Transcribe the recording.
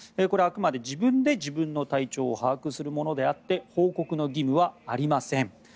これはあくまで自分で自分の体調を把握するものであって報告の義務はありません。